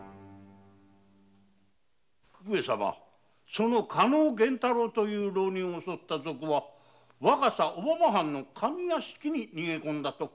その加納源太郎という浪人を襲った賊は若狭小浜藩の上屋敷に逃げ込んだとか。